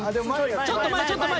ちょっと前ちょっと前。